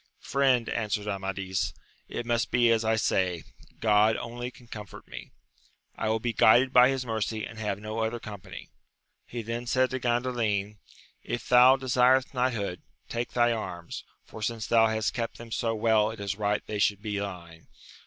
Friend, answered Amadis, it must be as I say ; Grod only can comfort me ! I will be guided by his mercy, and have no other company. He then said to Gandalin, if thou desirest knighthood, take my arms; for, since thou bast kept them so well, it is right they should be thine.